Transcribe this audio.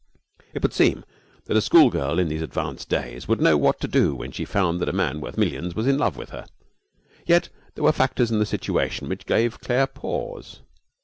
It would seem that a schoolgirl in these advanced days would know what to do when she found that a man worth millions was in love with her; yet there were factors in the situation which gave Claire pause.